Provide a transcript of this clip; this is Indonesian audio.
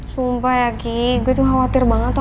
sumpah ya ki gue tuh khawatir banget tau